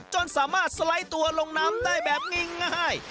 จนสามารถสไลด์ตัวลงน้ำได้แบบง่าย